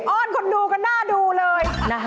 อ้อนคนดูกันหน้าดูเลย